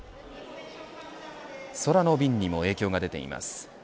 空の便にも影響が出ています。